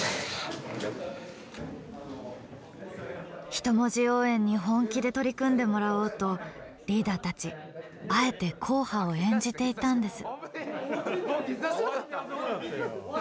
人文字応援に本気で取り組んでもらおうとリーダーたちあえて硬派を演じていたんです。